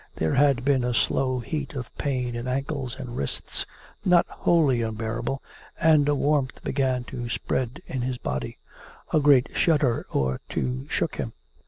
There had begun a slow heat of pain in ankles and wrists, not wholly unbearable, and a warmth began to spread in his body. A great shudder or two shook him.